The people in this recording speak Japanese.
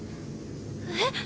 えっ？